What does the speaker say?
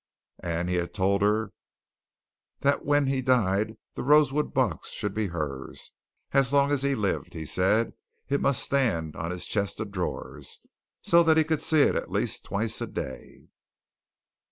And he had told her that when he died the rosewood box should be hers as long as he lived, he said, it must stand on his chest of drawers, so that he could see it at least twice a day.